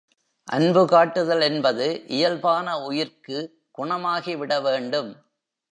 அன்பு காட்டுதல் என்பது இயல்பான உயிர்க்கு குணமாகிவிடவேண்டும்.